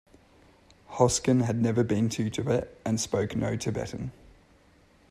Hoskin had never been to Tibet and spoke no Tibetan.